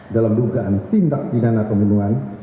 dalam dugaan tindak pidana pembunuhan